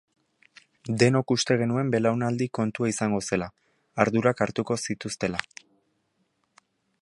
Denok uste genuen belaunaldi kontua izango zela, ardurak hartuko zituztela.